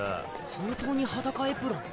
本当に裸エプロン。